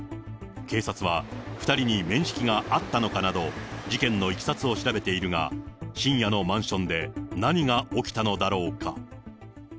警察は、２人に面識があったのかなど、事件のいきさつを調べているが、深夜のマンションで何が起きたのだろうか。